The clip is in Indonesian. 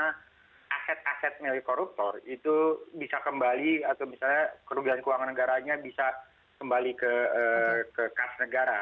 karena aset aset milik koruptor itu bisa kembali atau misalnya kerugian keuangan negaranya bisa kembali ke kasus negara